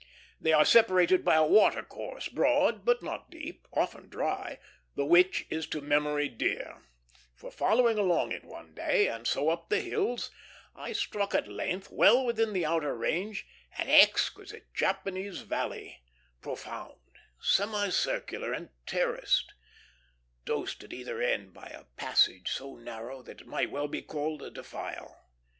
They are separated by a watercourse, broad but not deep, often dry, the which is to memory dear; for following along it one day, and so up the hills, I struck at length, well within the outer range, an exquisite Japanese valley, profound, semicircular, and terraced, dosed at either end by a passage so narrow that it might well be called a defile.